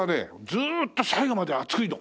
ずーっと最後まで熱いの。